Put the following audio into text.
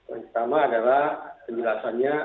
yang pertama adalah penjelasannya